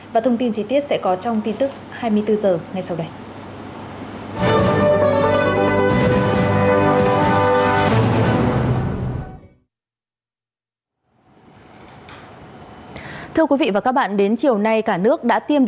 và thông tin trí tiết sẽ có trong tin tức hai mươi bốn h ngay sau đây